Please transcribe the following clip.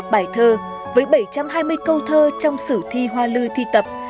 một trăm hai mươi một bài thơ với bảy trăm hai mươi câu thơ trong sử thi hoa lưu thi tập